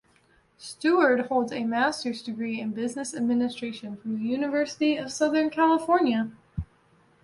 Seward holds a master's degree in business administration from the University of Southern California.